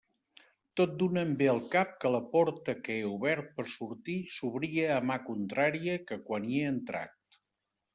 Tot d'una em ve al cap que la porta que he obert per sortir s'obria a mà contrària que quan hi he entrat.